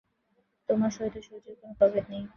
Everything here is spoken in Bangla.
তোমার সহিত সূর্যের কোন প্রভেদ নাই।